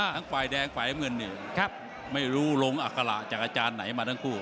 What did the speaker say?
ทั้งฝ่ายแดงฝ่ายเงินไม่รู้ลงอักษระจากอาจารย์ไหนมาทั้งคู่